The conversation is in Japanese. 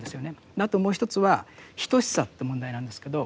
あともう一つは等しさって問題なんですけど。